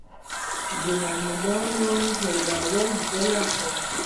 د معلولینو هېرول ظلم دی.